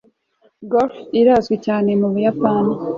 golf irazwi cyane mu buyapani